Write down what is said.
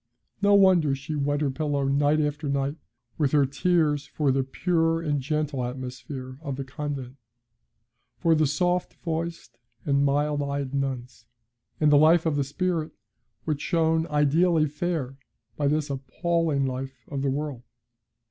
No wonder she wet her pillow night after night with her tears for the pure and gentle atmosphere of the convent, for the soft voiced and mild eyed nuns, and the life of the spirit which shone ideally fair by this appalling life of the world.